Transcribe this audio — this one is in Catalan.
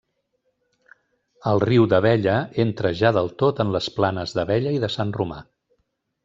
El riu d'Abella entra ja del tot en les planes d'Abella i de Sant Romà.